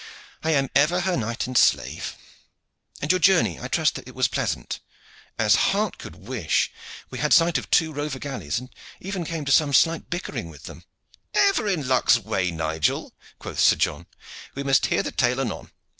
"I am ever her knight and slave. And your journey, I trust that it was pleasant?" "As heart could wish. We had sight of two rover galleys, and even came to have some slight bickering with them." "Ever in luck's way, Nigel!" quoth Sir John. "We must hear the tale anon.